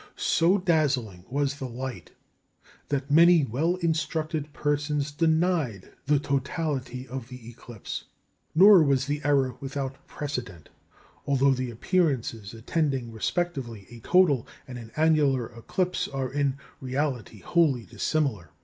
So dazzling was the light that many well instructed persons denied the totality of the eclipse. Nor was the error without precedent, although the appearances attending respectively a total and an annular eclipse are in reality wholly dissimilar.